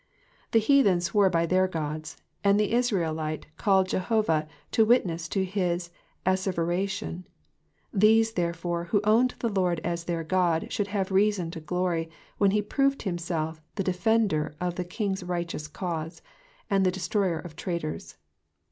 The heathen swore by their gods, and the Israelite called Jehovah to witness to his asseveration ; those, therefore, who owned the Lord as their God ghould have reason to glory when he proved himself the defender of the king's righteous cause, and the destroyer of traitors.